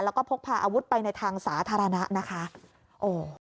แล้วก็พกพาอาวุธไปในทางสาธารณะนะคะโอ้